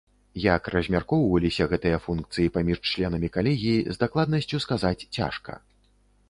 Як размяркоўваліся гэтыя функцыі паміж членамі калегіі, з дакладнасцю сказаць цяжка.